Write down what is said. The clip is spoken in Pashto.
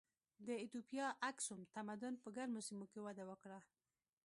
د ایتوپیا اکسوم تمدن په ګرمو سیمو کې وده وکړه.